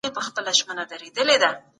موږ رڼا ته اړتيا لرو.